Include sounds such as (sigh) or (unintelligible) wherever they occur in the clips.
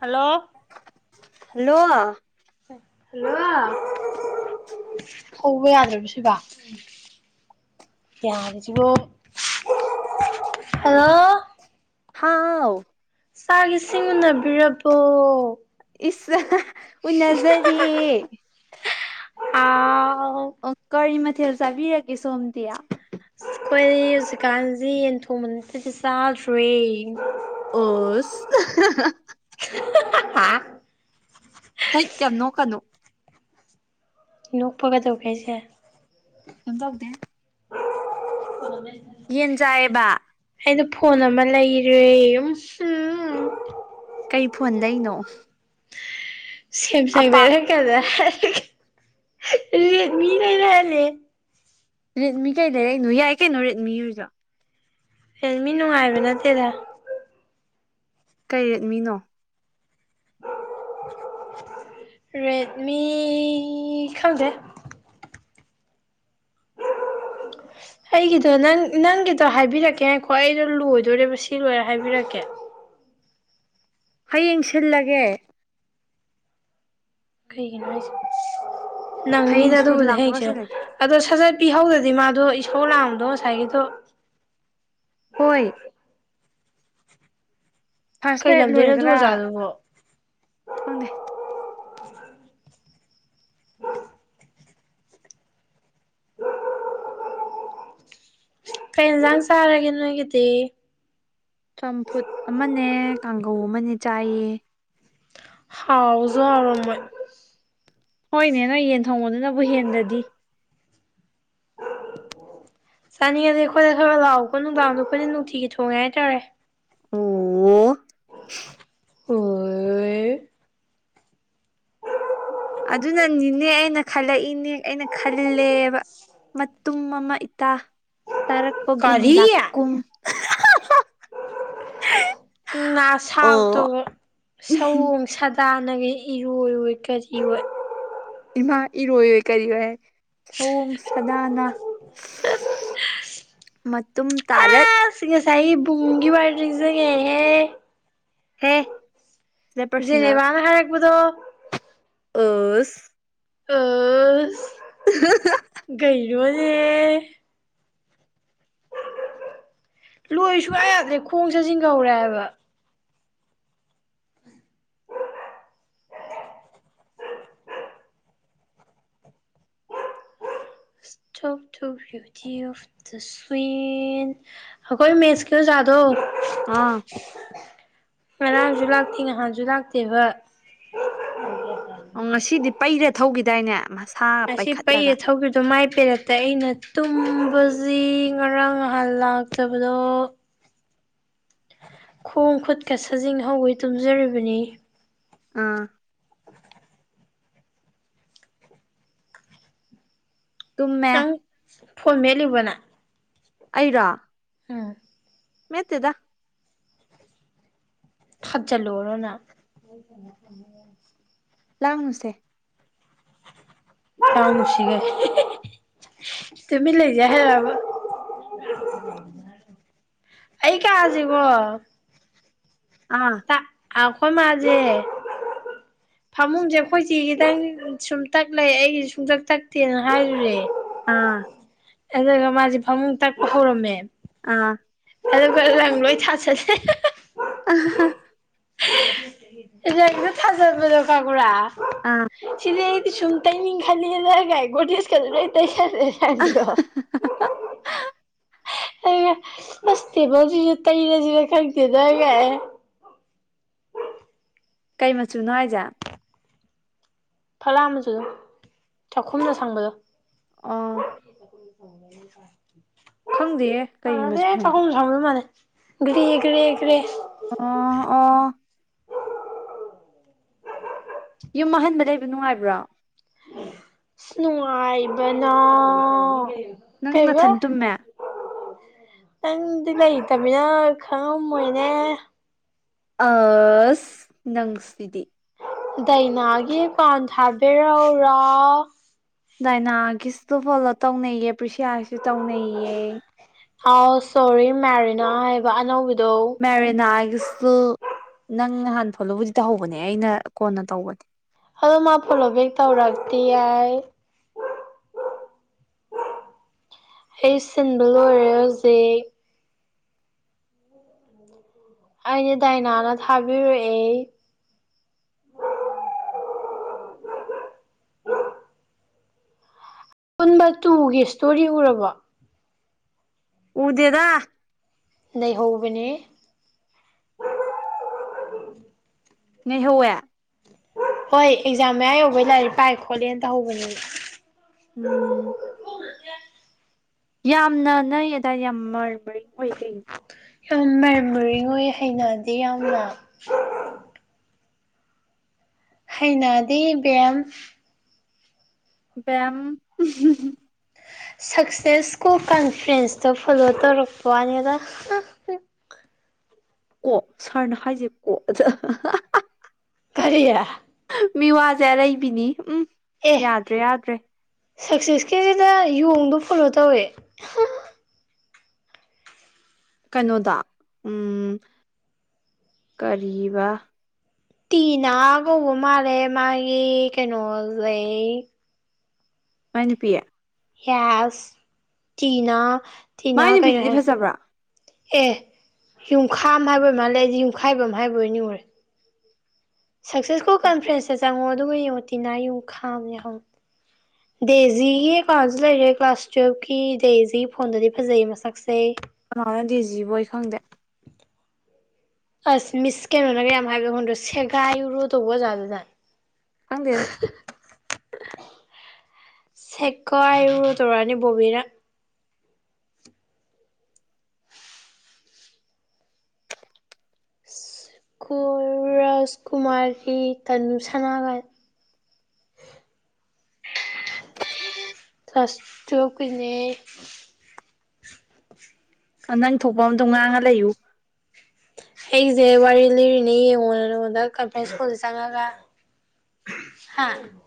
Hello. Hello. Hello ꯍꯧꯕ ꯌꯥꯗ꯭ꯔꯕ ꯁꯤꯕꯣ ꯌꯥꯕꯁꯤꯕꯨ ꯍꯜꯂꯣ꯫ ꯍꯥꯥꯎ꯫ ꯆꯥꯛ ꯏꯁꯤꯡ ꯎꯅꯕꯤꯔꯕꯣ꯫ ꯏꯁ (unintelligible) ꯎꯅꯥꯖꯔꯦ꯫ ꯍꯥꯎ ꯑꯣ ꯀꯔꯤ ꯃꯊꯦꯜ ꯆꯥꯕꯤꯔꯒꯦ ꯁꯣꯝꯗꯤ꯫ ꯑꯈꯣꯏ ꯍꯧꯖꯤꯛꯀꯥꯟꯖꯤ ꯌꯦꯟ ꯊꯣꯡꯕ ꯅꯠꯇꯔꯗꯤ ꯆꯥꯗ꯭ꯔꯦ꯫ ꯑꯣꯁ (unintelligible) ꯍꯥꯏꯠ ꯌꯥꯝ ꯅꯣꯛꯀꯅꯨ꯫ ꯅꯣꯛꯄ ꯀꯩꯗꯧꯒꯦ ꯍꯥꯏꯖꯦ꯫ ꯀꯩꯝ ꯇꯧꯗꯦ꯫ (unintelligible) ꯌꯦꯟ ꯆꯥꯏꯌꯦꯕ꯫ ꯑꯩꯗꯣ ꯐꯣꯟ ꯑꯃ ꯂꯩꯔꯦ ꯎꯝꯍꯨꯝ ꯀꯩ ꯐꯣꯟ ꯂꯩꯅꯣ ꯁꯦꯝꯁꯪ ꯑꯄꯥꯛ ꯂꯩꯔꯛꯀꯥꯗꯔꯥ ꯍꯥꯏꯔꯒꯥ ꯔꯦꯗꯃꯤ ꯂꯩꯔꯥ ꯍꯟꯂꯛꯑꯦ ꯔꯦꯗꯃꯤ ꯀꯩ ꯂꯩꯔꯛꯏꯅꯣ ꯌꯥꯏ ꯀꯩꯅꯣ ꯔꯦꯗꯃꯤꯗꯨꯁꯣ꯫ ꯔꯦꯜꯃꯤ ꯅꯨꯡꯉꯥꯏꯕ ꯅꯠꯇꯦꯗ꯫ ꯀꯩ ꯔꯦꯠꯃꯤꯅꯣ꯫ (unintelligible) ꯔꯦꯠꯃꯤ ꯈꯪꯗꯦ꯫ (unintelligible) ꯑꯩꯒꯤꯗꯣ ꯅꯪ ꯅꯪꯒꯤꯗꯣ ꯍꯥꯏꯕꯤꯔꯛꯀꯦ ꯉꯥꯏꯈꯣ ꯑꯩꯗꯣ ꯂꯣꯏꯗꯣꯔꯦꯕ ꯁꯤ ꯂꯣꯏꯔ ꯍꯥꯏꯕꯤꯔꯛꯀꯦ꯫ ꯍꯌꯦꯡ ꯁꯤꯜꯂꯒꯦ ꯀꯩꯒꯤꯅꯣ ꯍꯥꯏꯁꯦ ꯍꯌꯦꯡ ꯅꯪꯅꯤꯗ ꯁ꯭ꯀꯨꯜ ꯑꯗꯨꯕꯨꯗꯤ ꯍꯌꯦꯡ ꯂꯥꯛꯄꯒ ꯁꯤꯟꯂꯣ ꯁꯤꯜꯂꯒꯦ ꯑꯗꯣ ꯁꯥꯖꯠ ꯄꯤꯍꯧꯗ꯭ꯔꯗꯤ ꯃꯥꯗꯣ ꯏꯁꯧ ꯂꯥꯡꯕꯗꯣ ꯉꯁꯥꯏꯒꯤꯗꯣ꯫ ꯍꯣꯏ ꯐꯥꯔꯁ ꯀꯩ ꯄꯦꯔꯠ ꯂꯝꯗꯩꯅꯣ ꯑꯗꯨ ꯂꯣꯏꯔꯒꯔꯥ ꯑꯣꯖꯥꯗꯨꯕꯣ ꯈꯪꯗꯦ꯫ (unintelligible) ꯀꯩ ꯏꯟꯖꯥꯡ ꯆꯥꯔꯒꯦ ꯅꯣꯏꯒꯤꯗꯤ꯫ ꯆꯝꯐꯨꯠ ꯑꯃꯅꯦ ꯀꯥꯡꯒꯧ ꯑꯃꯅꯦ ꯆꯥꯏꯌꯦ꯫ ꯍꯥꯎꯁꯨ ꯍꯥꯎꯔꯝꯃꯣꯏ ꯍꯣꯏꯅꯦ ꯅꯣꯏ ꯌꯦꯟ ꯊꯣꯡꯕꯗꯨꯅꯕꯨ ꯍꯦꯟꯗꯗꯤ꯫ ꯆꯥꯅꯤꯡꯉꯗꯤ ꯑꯩꯈꯣꯏꯗ ꯈꯔ ꯂꯥꯛꯑꯣꯕ ꯅꯨꯡꯗꯥꯡꯗꯣ ꯑꯩꯈꯣꯏꯗ ꯅꯨꯡꯇꯤꯒꯤ ꯊꯣꯡꯉꯦ ꯍꯥꯏꯇꯥꯔꯦ꯫ ꯑꯣ ꯑꯣ ꯑꯗꯨꯅꯅꯤꯅꯦ ꯑꯩꯅ ꯈꯜꯂꯛꯏꯅꯦ ꯑꯩꯅ ꯈꯜꯂꯦꯕ (unintelligible) ꯇꯨꯝ ꯑꯃ ꯏꯇꯥ ꯇꯥꯔꯛꯄꯒꯨꯝ ꯀꯔꯤ ꯂꯥꯛꯀꯨꯝ꯫ ꯑꯥ ꯅꯁꯥꯛꯇꯨꯒ ꯁꯑꯣꯡ ꯁꯥꯗꯥꯅꯒꯦ ꯏꯔꯣꯏ ꯋꯣꯏ ꯀꯔꯤꯑꯣꯏ꯫ ꯏꯃꯥ ꯏꯔꯣꯏ ꯑꯣꯏ ꯀꯔꯤꯑꯣꯏ ꯁꯑꯣꯡ ꯁꯥꯗꯥꯅ ꯃꯇꯨꯝ ꯇꯥꯔꯛ ꯑꯁ ꯉꯁꯥꯏꯒꯤ ꯕꯨꯡꯒꯤ ꯋꯥꯔꯤꯗꯨ ꯅꯤꯡꯖꯪꯉꯛꯏꯍꯦ꯫ ꯍꯦ ꯁꯤꯗ (inaudible) ꯄꯔꯁꯣꯅꯦꯜ ꯖꯦꯅꯦꯕꯥꯅ ꯍꯥꯏꯔꯛꯄꯗꯣ ꯑꯁ ꯑꯁ ꯀꯩꯩꯅꯣꯅꯦ ꯂꯣꯏ ꯁꯨꯡꯌꯥ ꯌꯥꯗ꯭ꯔꯦ ꯈꯣꯡ ꯁꯖꯤꯡꯒ ꯍꯧꯔꯦ ꯍꯥꯏꯕ꯫ (unintelligible) (unintelligible) ꯑꯈꯣꯏ ꯃꯦꯁ ꯀꯤ ꯑꯣꯖꯥꯗꯣ ꯑꯥ ꯉꯔꯥꯡꯁꯨ ꯂꯥꯛꯇꯦ ꯅꯍꯥꯟꯁꯨ ꯂꯥꯛꯇꯦꯕ ꯑꯣ ꯉꯁꯤꯗꯤ ꯄꯩꯔ ꯊꯧꯈꯤꯗꯥꯏꯅꯦ ꯃꯥꯁꯦ ꯑꯁꯤ ꯄꯩꯔ ꯊꯧꯈꯤ ꯃꯥꯏ ꯄꯦꯔꯛꯇ ꯑꯩꯅ ꯇꯨꯝꯕꯁꯤ ꯉꯔꯥꯡ ꯅꯍꯥꯟ ꯂꯥꯛꯇꯕꯗꯣ ꯈꯣꯡ ꯈꯨꯠꯀ ꯁꯥꯖꯤꯡ ꯍꯧꯒꯩ ꯇꯨꯝꯖꯔꯤꯕꯅꯤ ꯑꯥ ꯇꯨꯝꯃꯦ ꯅꯪ ꯐꯣꯟ ꯃꯦꯠꯂꯤꯕ ꯅꯪ ꯑꯩꯔꯣ ꯎꯝ ꯃꯦꯠꯇꯦꯗ ꯊꯥꯖꯜꯂꯨꯔꯣ ꯅꯪ ꯂꯥꯡꯅꯨꯁꯦ ꯂꯥꯡꯅꯨꯁꯦ ꯒꯥꯏ ꯍꯥꯢꯌꯦ ꯇꯨꯃꯤꯟ ꯂꯩꯖꯦ ꯍꯥꯏꯔꯕ (unintelligible) ꯑꯩ ꯀꯥꯖꯦꯕꯣ ꯑꯥ ꯑꯥ ꯑꯈꯣꯏ ꯃꯥꯖꯦ ꯐꯃꯨꯡꯁꯦ ꯑꯈꯣꯏ ꯆꯦ ꯒꯤꯗꯪ ꯁꯨꯝ ꯇꯛ ꯂꯩ ꯑꯩꯒꯤꯁꯦ ꯁꯨꯡꯇꯛ ꯇꯛꯇꯦꯅ ꯍꯥꯏꯔꯨꯔꯦ ꯑꯥ ꯑꯗꯨꯒ ꯃꯥꯁꯦ ꯐꯃꯨꯡ ꯇꯛꯄ ꯍꯧꯔꯝꯃꯦ ꯑꯥ ꯑꯗꯨꯒ ꯂꯪ ꯂꯣꯏ ꯊꯥ ꯆꯜꯂꯦ (unintelligible) ꯂꯪꯗꯣ ꯊꯥꯖꯤꯟꯕꯗꯣ ꯈꯪꯕꯔꯥ ꯑꯥ ꯁꯤꯗꯤ ꯑꯩꯗꯤ ꯁꯨꯝ ꯇꯩꯅꯤꯡꯈꯠꯂꯛꯑꯦꯗ ꯀꯥꯏ ꯒꯣꯗꯦꯁ ꯀꯥꯁꯦ ꯂꯣꯏ ꯇꯩꯁꯟ (unintelligible) ꯑꯩꯅ ꯕꯁꯇꯦꯕꯜꯁꯤꯁꯨ ꯇꯩꯔꯁꯤꯔ ꯈꯪꯗꯦꯗ ꯒꯥꯢꯅ ꯀꯩ ꯃꯆꯨꯅꯣ ꯍꯥꯏꯖꯦ ꯐꯥꯛꯂꯥꯡ ꯃꯆꯨꯗꯣ ꯆꯥꯛꯈꯨꯝꯗ ꯁꯪꯕꯗꯣ ꯑꯥ ꯍ (inaudible) ꯈꯪꯗꯦꯌꯦ ꯀꯩ ꯃꯆꯨ ꯁꯪꯒꯦ ꯀꯥꯎꯔꯤ ꯃꯥꯟꯂꯦ ꯒꯔꯦ ꯒꯔꯦ ꯒꯔꯦ ꯑꯣ ꯑꯣ ꯌꯨꯝ ꯑꯍꯟꯕ ꯂꯩꯕ ꯅꯨꯡꯉꯥꯏꯕ꯭ꯔꯣ ꯅꯨꯡꯉꯥꯏꯕꯅ ꯅꯪ ꯀꯩꯕ ꯅꯊꯟ ꯇꯨꯝꯃꯦ ꯅꯪꯗꯤ ꯂꯩꯇꯝꯃꯤꯅ ꯈꯪꯉꯝꯃꯣꯏꯅꯦ ꯑꯁ ꯅꯪꯁꯤꯗꯤ ꯗꯥꯏꯅꯥꯒꯤ ꯄꯥꯟ ꯊꯥꯕꯩ (unintelligible) ꯔꯧ ꯔꯥꯎ ꯗꯥꯏꯅꯥꯒꯤ ꯁꯨ ꯐꯣꯂꯣ ꯇꯧꯅꯩꯌꯦ ꯄ꯭ꯔꯤꯁꯤꯌꯥꯁꯨ ꯇꯧꯅꯩꯌꯦ ꯑꯥꯎ ꯁꯣꯔꯤ ꯃꯦꯔꯤꯅꯥ ꯍꯥꯏꯕ ꯑꯅꯧꯕꯤꯗꯣ ꯃꯦꯔꯤꯅꯥꯒꯤꯁꯨ ꯅꯪ ꯉꯍꯥꯟ ꯐꯣꯂꯣꯕꯨꯗꯤ ꯇꯧꯍꯧꯕꯅꯦ ꯑꯩꯅ ꯀꯣꯟꯅ ꯇꯧꯕꯅꯦ ꯑꯗꯣ ꯃꯥ ꯐꯣꯂꯣ ꯕꯦꯛ ꯇꯧꯔꯛꯇꯤꯌꯦ ꯑꯩ ꯁꯤꯟꯕ ꯂꯣꯏꯔꯦ ꯍꯧꯖꯤꯛ ꯑꯩꯗꯤ ꯗꯥꯏꯅꯥꯅ ꯊꯥꯕꯤꯔꯛꯑꯦ ꯑꯄꯨꯟꯕ ꯇꯨꯒꯤ ꯏꯁꯇꯣꯔꯤ ꯎꯔꯕꯣ ꯎꯗꯦꯗ ꯅꯩꯍꯧꯕꯅꯦꯍꯦ ꯅꯩꯍꯧꯋꯦ ꯍꯣꯏ ꯑꯦꯛꯖꯥꯝ ꯃꯌꯥ ꯌꯧꯕꯩ ꯂꯥꯏꯔꯤꯛ ꯄꯥꯏ ꯈꯣꯠꯂꯦꯅ ꯇꯧꯍꯧꯕꯅꯦꯕ ꯎꯝ ꯌꯥꯝꯅ ꯅꯣꯏ ꯑꯗꯥꯏꯗꯣ ꯌꯥꯝ ꯃꯔ ꯃꯔꯤꯡ ꯑꯣꯏꯌꯦ ꯀꯩꯒꯤꯅꯣ ꯌꯥꯝ ꯃꯔ ꯃꯔꯤꯡ ꯑꯣꯏ ꯍꯩꯅꯗꯦ ꯌꯥꯝꯅ ꯍꯩꯅꯗꯦ ꯢꯕꯦꯝ ꯕꯦꯝ ꯁꯛꯁꯦꯁ ꯁ꯭ꯀꯨꯜ ꯀꯟꯐ꯭ꯔꯦꯟꯁꯇꯣ ꯐꯣꯂꯣ ꯇꯧꯔꯛꯄꯥꯋꯅꯤꯗ ꯀꯣ ꯁꯥꯔꯅ ꯍꯥꯏꯖꯦꯕꯀꯣ ꯑꯗ ꯀꯔꯤ ꯃꯤꯋꯥꯖꯦ ꯑꯔꯩꯕꯤꯅꯤ ꯎꯝ ꯌꯥꯗ꯭ꯔꯦ ꯌꯥꯗ꯭ꯔꯦ ꯁꯛꯁꯦꯁꯀꯤꯖꯤꯗ ꯌꯣꯡꯗꯣ ꯐꯣꯂꯣ ꯇꯧꯋꯦ ꯀꯩꯅꯣꯗꯣ ꯎꯝ ꯀꯔꯤꯕ ꯇꯤꯅꯥ ꯀꯧꯕ ꯃꯥꯜꯂꯦ ꯃꯥꯒꯤ ꯀꯩꯅꯣꯖꯦ ꯃꯥꯏ ꯅꯨꯄꯤ ꯌꯦꯁ ꯇꯤꯅꯥ ꯇꯤꯅꯥ ꯃꯥꯏ ꯀꯩꯅꯣ ꯅꯨꯄꯤꯗꯨꯗꯤ ꯍꯥꯏ ꯐꯖꯕ꯭ꯔꯥ ꯑꯦ ꯌꯨꯝꯈꯥꯝ ꯍꯥꯏꯕꯣꯏ ꯑꯣꯏ ꯃꯥꯜꯂꯦ ꯑꯩꯗꯤ ꯌꯨꯝꯈꯥꯏꯕꯝ ꯍꯥꯏꯕꯣꯏ ꯅꯤꯡꯉꯨꯔꯦ ꯁꯛꯁꯦꯁ ꯁ꯭ꯀꯨꯜ ꯀꯟꯐ꯭ꯔꯦꯟꯁꯦ ꯆꯪꯉꯣ ꯑꯗꯨꯒ ꯌꯦꯡꯉꯣ ꯇꯤꯅꯥ ꯌꯨꯡꯈꯥꯝꯅ ꯌꯥꯎꯍꯧꯕꯅꯦ ꯗꯦꯖꯤꯒꯤ ꯑꯦꯀꯥꯎꯟꯖꯨ ꯂꯩꯔꯦ ꯀ꯭ꯂꯥꯁ ꯇꯨꯌꯦꯜꯐꯀꯤ ꯗꯦꯖꯤ ꯐꯣꯟꯗꯗꯤ ꯐꯖꯩ ꯃꯁꯛꯁꯦ ꯀꯅꯥꯅꯣ ꯗꯦꯖꯤꯕꯣ ꯑꯩ ꯈꯪꯗꯦ ꯑꯁ ꯃꯤꯁ ꯀꯩꯅꯣꯅꯒ ꯌꯥꯝ ꯍꯥꯏꯕꯗꯣ ꯈꯪꯗꯔꯣ ꯁꯦꯒꯥꯏꯌꯨꯔꯣ ꯇꯧꯕ ꯑꯣꯖꯥꯗꯨꯅ ꯈꯪꯗꯦꯗ ꯁꯦꯒꯥꯏꯌꯨꯔꯣ ꯇꯧꯔꯛꯑꯅꯤ ꯕꯣꯕꯤꯅ ꯀꯨꯔ ꯔꯥꯖꯀꯨꯃꯥꯔꯤ ꯇꯅꯨ ꯁꯅꯥ ꯒꯥꯏꯅ (unintelligible) ꯀꯂꯥ꯭ꯁ ꯇꯨꯌꯦꯜꯐ ꯀꯤꯅꯦ ꯅꯪ ꯊꯣꯛꯄ ꯑꯃꯗꯨꯝ ꯉꯥꯡꯉ ꯂꯩꯌꯨ ꯑꯩꯒꯤꯖꯦ ꯋꯥꯔꯤ ꯂꯤꯔꯤꯅꯦ ꯌꯦꯡꯉꯣꯅ ꯅꯉꯣꯟꯗ ꯀꯟꯐ꯭ꯔꯦꯟꯁ ꯁ꯭ꯀꯨꯜꯖꯦ ꯆꯪꯉꯒ ꯍꯥ (unintelligible)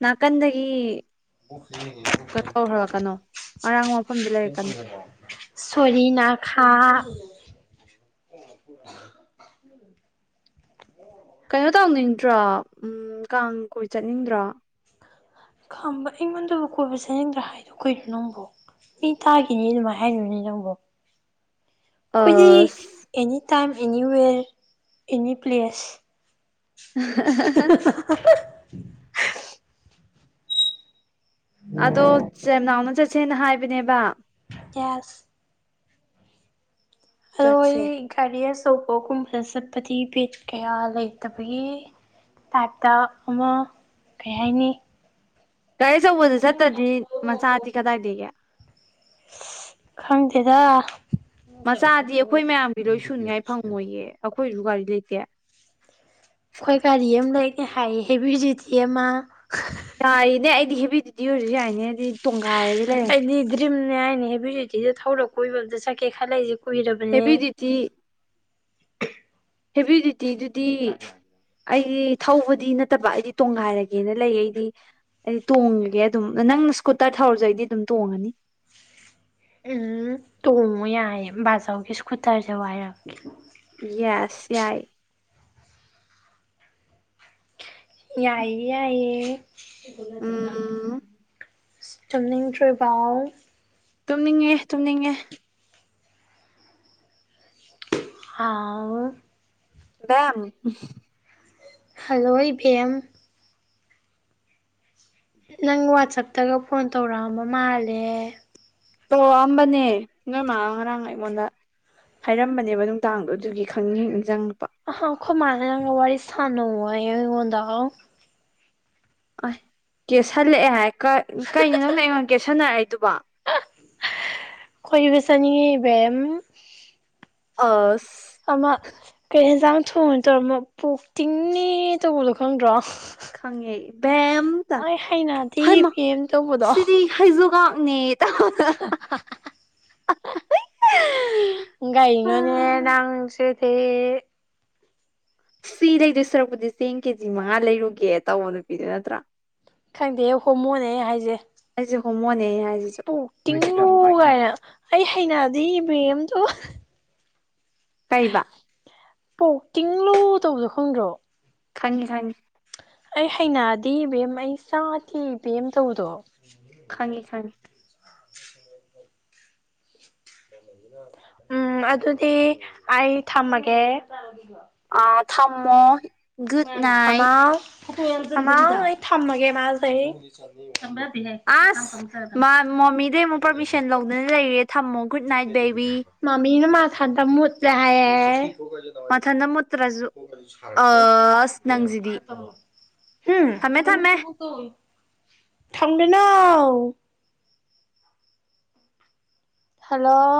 ꯅꯥꯀꯟꯗꯒꯤ ꯀꯠ ꯇꯧꯍꯜꯂꯛꯀꯅꯣ ꯑꯔꯥꯡꯕ ꯃꯐꯝꯗ ꯂꯩꯔꯛꯀꯅꯨ ꯁꯣꯔꯤ ꯅꯥꯈꯥ ꯀꯩꯅꯣ ꯇꯧꯅꯤꯡꯗ꯭ꯔꯣ ꯎꯝ ꯀꯥꯡ ꯀꯣꯏ ꯆꯠꯅꯤꯡꯗ꯭ꯔꯣ ꯈꯥꯝꯕ ꯑꯩꯉꯣꯟꯗꯕꯨ ꯀꯣꯜ ꯄꯩꯁꯥ ꯌꯦꯡꯒꯦ ꯍꯥꯏꯗꯣ ꯀꯩꯒꯤ ꯅꯪꯕꯣ ꯃꯤ ꯇꯥꯒꯤꯅꯤ ꯑꯗꯨꯃꯥꯏꯅ ꯍꯥꯏꯅꯨꯅꯦ ꯅꯪꯕꯨ ꯑꯩꯈꯣꯏꯗꯤ ꯑꯁ any time anywhere any place (unintelligible) ꯑꯗꯣ ꯆꯦꯅꯥꯎꯅ ꯆꯠ ꯁꯦꯅ ꯍꯥꯏꯕꯅꯦꯕ ꯌꯦꯁ ꯑꯗꯣ ꯆꯠꯁꯦ ꯑꯩ ꯒꯥꯔꯤ ꯑꯆꯧꯕꯒꯨꯝꯕꯗ ꯆꯠꯄꯗꯤ ꯕꯤꯠ ꯀꯌꯥ ꯂꯩꯇꯕꯒꯤ ꯇꯥꯏꯞꯇ ꯑꯃ ꯀꯩ ꯍꯥꯏꯅꯤ ꯒꯥꯔꯤ ꯑꯆꯧꯕꯗ ꯆꯠꯇ꯭ꯔꯗꯤ ꯃꯆꯥꯗꯤ ꯀꯗꯥꯏꯗꯒꯤ (unintelligible) ꯈꯪꯗꯦꯗ ꯃꯆꯥꯗꯤ ꯑꯩꯈꯣꯏ ꯃꯌꯥꯝꯒꯤ ꯂꯣꯏ ꯁꯨꯅꯤꯉꯥꯏ ꯐꯪꯉꯣꯏꯌꯦ ꯑꯩꯈꯣꯏꯖꯧ ꯒꯥꯔꯤ ꯂꯩꯇꯦ ꯑꯩꯈꯣꯏ ꯒꯥꯔꯤ ꯑꯃ ꯂꯩꯒꯦ ꯍꯥꯏꯌꯦ ꯍꯦꯕꯤ ꯗ꯭ꯌꯨꯇꯤ ꯑꯃ ꯌꯥꯏꯅꯦ ꯑꯩꯗꯤ ꯍꯦꯕꯤ ꯗ꯭ꯌꯨꯇꯤ ꯑꯣꯢꯔꯖꯨ ꯌꯥꯏꯅꯦ ꯑꯗꯤ ꯇꯣꯡꯒꯥꯏꯔꯒ ꯂꯩꯔꯦ ꯑꯩꯗꯤ ꯗ꯭ꯔꯤꯝꯅꯦ ꯍꯥꯏꯅꯦ ꯍꯦꯕꯤ ꯗ꯭ꯌꯨꯇꯤ ꯊꯧꯔ ꯀꯣꯏꯕ ꯆꯠꯀꯦ ꯈꯜꯂꯛꯏꯖꯦ ꯍꯦꯕꯤ ꯗ꯭ꯌꯨꯇꯤ ꯍꯦꯕꯤ ꯗ꯭ꯌꯨꯇꯤ ꯗꯨꯗꯤ ꯑꯩꯗꯤ ꯊꯧꯕꯗꯤ ꯅꯠꯇꯕ ꯑꯩꯗꯤ ꯇꯣꯡꯒꯥꯏꯔꯒꯦꯅ ꯂꯩ ꯑꯩꯗꯤ ꯑꯩꯗꯤ ꯇꯣꯡꯉꯒꯦ ꯑꯗꯨꯝ ꯅꯪꯅ ꯁ꯭ꯀꯨꯇꯔ ꯊꯧꯔꯁꯨ ꯑꯩꯗꯤ ꯑꯗꯨꯝ ꯇꯣꯡꯉꯅꯤ ꯎꯝ ꯇꯣꯡꯉꯨ ꯌꯥꯏꯌꯦ ꯕꯥꯆꯧꯒꯤ ꯁ꯭ꯀꯨꯇꯔꯖꯦ ꯋꯥꯏꯔꯛꯀꯦ ꯌꯦꯁ ꯌꯥꯏ ꯌꯥꯏꯌꯦ ꯌꯥꯏꯌꯦ ꯎꯝ (unintelligible) ꯇꯨꯝꯅꯤꯡꯗ꯭ꯔꯤꯕꯥꯎ ꯇꯨꯝꯅꯤꯡꯉꯦ ꯇꯨꯝꯅꯤꯡꯉꯦ ꯍꯥꯎ (unintelligible) ꯕꯦꯝ (unintelligible) ꯍꯜꯂꯣ ꯏꯕꯦꯝ ꯅꯪ ꯋꯥꯆꯞꯇꯒ ꯐꯣꯟ ꯇꯧꯔꯛꯑꯝꯕ ꯃꯥꯜꯂꯦ ꯇꯣꯔꯛꯑꯝꯕꯅꯦ ꯅꯣꯏ ꯃꯥꯅ ꯉꯔꯥꯡ ꯑꯩꯉꯣꯟꯗ ꯍꯥꯏꯔꯝꯕꯅꯦꯕ ꯅꯨꯡꯗꯥꯡꯗꯣ ꯑꯗꯨꯒꯤ ꯈꯪꯅꯤꯡꯅꯤꯡꯍꯛ ꯅꯤꯡꯖꯪꯉꯛꯄ ꯑꯍ ꯈꯣꯏ ꯃꯥꯅ ꯅꯪꯒ ꯋꯥꯔꯤ ꯁꯅꯧ ꯍꯥꯏꯌꯦ ꯑꯩꯉꯣꯟꯗ ꯑ ꯑꯥꯏ ꯀꯦꯁꯜꯂꯛꯑꯦ ꯍꯥꯏ ꯀ ꯀꯩꯅꯣ ꯅꯪꯅ ꯑꯩꯉꯣꯟꯗ ꯀꯦꯁꯟꯅꯔꯛꯏꯗꯨꯕꯣ ꯈꯣꯏꯕ ꯆꯠꯅꯤꯡꯉꯤ ꯢꯕꯦꯝ ꯑꯥꯁ ꯑꯃ ꯀꯩ ꯌꯦꯟꯖꯥꯡ ꯊꯣꯡꯏꯅꯣ ꯇꯧꯔ ꯑꯃ ꯄꯣꯛ ꯇꯤꯡꯅꯦ ꯇꯧꯕꯗꯣ ꯈꯪꯗ꯭ꯔꯣ ꯈꯪꯉꯦ ꯑꯩ ꯑꯩ ꯍꯩꯅꯗꯤ ꯏꯕꯦꯝ ꯇꯧꯕꯗꯣ ꯍꯥꯖꯨꯒꯛꯅꯦ ꯇꯧꯕꯗꯣ ꯍꯥꯍꯥ ꯍꯥ (unintelligible) ꯑ ꯒꯩꯅꯣꯅꯦ ꯅꯪꯁꯤꯗꯤ ꯁꯤ ꯂꯩꯗꯣꯏ ꯁꯔꯨꯛꯄꯨꯗꯤ ꯆꯦꯡ ꯀꯦꯖꯤ ꯃꯉꯥ ꯂꯩꯔꯨꯒꯦ ꯇꯧꯕ ꯅꯨꯄꯤꯗꯨ ꯅꯠꯇ꯭ꯔꯣ ꯈꯪꯗꯦꯍꯦ ꯍꯣꯃꯣꯅꯦ ꯑꯩꯅ ꯍꯥꯏꯖꯦ ꯑꯩꯁꯨꯅꯦ ꯍꯣꯃꯣꯅꯦ ꯍꯥꯏꯁꯤꯁꯨ ꯅꯣꯢꯗꯤ ꯇꯤꯡꯂꯨ ꯌꯝ ꯋꯥꯢꯅ ꯀꯥꯏꯅ ꯑꯩ ꯍꯩꯅꯗꯤ ꯏꯕꯦꯝ ꯑꯗꯨ ꯇꯧꯋꯥ ꯀꯩꯕ ꯄꯣꯛ ꯇꯤꯡꯂꯣ ꯇꯧꯕꯗꯣ ꯈꯪꯗ꯭ꯔꯣ ꯈꯪꯉꯦ ꯈꯪꯉꯦ ꯑꯩ ꯍꯩꯅꯗꯦ ꯏꯕꯦꯝ ꯑꯩ ꯆꯥꯗꯦ ꯏꯕꯦꯝ ꯇꯧꯕꯗꯣ ꯈꯪꯉꯦ ꯈꯪꯉꯦ ꯎꯝ ꯑꯗꯨꯗꯤ ꯑꯩ ꯊꯝꯃꯒꯦ ꯑ ꯊꯝꯃꯣ ꯒꯨꯗ ꯅꯥꯏꯠ ꯑꯃꯥꯎ ꯑꯃꯥꯎ ꯑꯩ ꯊꯝꯃꯒꯦ ꯃꯥꯁꯦ ꯊꯝꯕ ꯌꯗꯦꯍꯦ ꯑꯁ ꯃꯣꯃꯤꯗꯩ ꯑꯃꯨꯛ ꯄꯔꯃꯤꯁꯟ ꯂꯧꯗꯨꯅ ꯂꯩꯔꯦ ꯊꯝꯃꯣ ꯒꯨꯗ ꯅꯥꯏꯠ ꯕꯦꯕꯤ꯫ ꯃꯝꯃꯤꯅ ꯃꯥꯊꯟꯗ ꯃꯨꯠꯂꯦ ꯍꯥꯏꯌꯦ꯫ ꯃꯊꯟꯇ ꯃꯨꯠꯇꯔꯖꯨ ꯑꯁ ꯅꯪꯁꯤꯗꯤ꯫ ꯊꯝꯃꯦ ꯊꯝꯃꯦ ꯎꯝ (inaudible) ꯊꯝꯒꯅꯣꯅ ꯍꯜꯂꯣ